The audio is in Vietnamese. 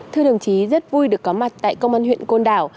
thưa đồng chí rất vui được có mặt tại công an huyện côn đảo